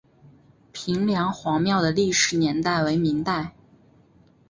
平凉隍庙的历史年代为明代。